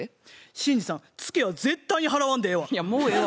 信二さんツケは絶対に払わんでええわ。